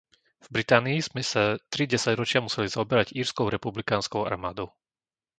V Británii sme sa tri desaťročia museli zaoberať Írskou republikánskou armádou.